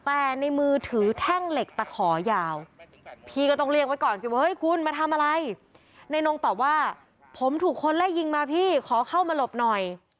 ไอพี่ยิงมาพี่ขอเข้ามาลบหน่อย